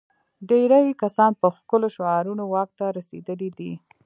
ډېری کسان په ښکلو شعارونو واک ته رسېدلي دي.